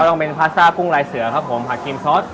เราเป็นพาสต้ากุ้งลายเสือครับผมผักครีมซอส